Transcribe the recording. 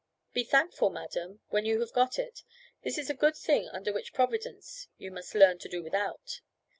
"Be thankful, madam, when you have got it. This is a good thing which under Providence you must learn to do without."